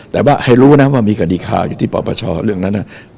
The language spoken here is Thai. แต่ว่าให้รู้นะว่ามีคดีข่าวอยู่ที่ปปชเรื่องนั้น